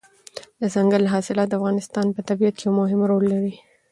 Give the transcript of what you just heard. دځنګل حاصلات د افغانستان په طبیعت کې یو مهم رول لري.